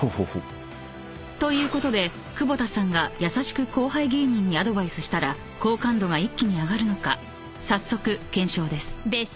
［ということで久保田さんが優しく後輩芸人にアドバイスしたら好感度が一気に上がるのか早速検証です］